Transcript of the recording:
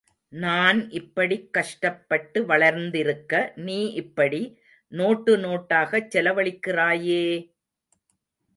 நான் இப்படிக் கஷ்டப்பட்டு வளர்ந்திருக்க, நீ இப்படி, நோட்டு நோட்டாகச் செலவழிக்கிறாயே!